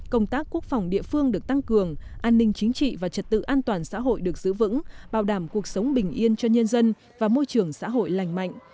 công tác quốc phòng địa phương được tăng cường an ninh chính trị và trật tự an toàn xã hội được giữ vững bảo đảm cuộc sống bình yên cho nhân dân và môi trường xã hội lành mạnh